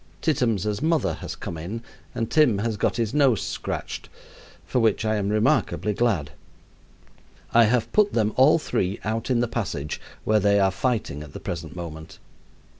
Tittums' mother has come in and Tim has got his nose scratched, for which I am remarkably glad. I have put them all three out in the passage, where they are fighting at the present moment.